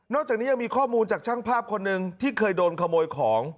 จากนี้ยังมีข้อมูลจากช่างภาพคนหนึ่งที่เคยโดนขโมยของ